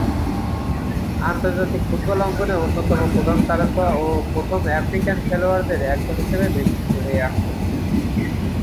আন্তর্জাতিক ফুটবল অঙ্গনে অন্যতম প্রধান তারকা ও প্রথম আফ্রিকান খেলোয়াড়দের একজন হিসেবে বিবেচিত হয়ে আসছেন।